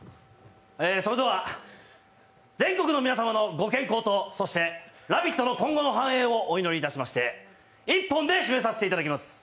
それでは、全国の皆様のご健康と、そして「ラヴィット！」の今後の繁栄をお祈りいたしまして、一本で締めさせていただきます。